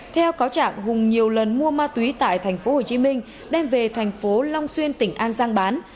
theo cáo trạng hùng nhiều lần mua ma túy tại tp hcm đem về thành phố long xuyên tỉnh an giang bán